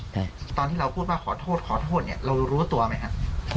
ตอนที่เราพูดว่าขอโทษขอโทษเรารู้ตัวไหมครับ